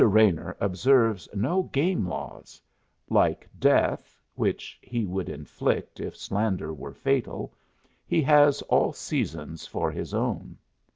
Raynor observes no game laws; like Death (which he would inflict if slander were fatal) he has all seasons for his own.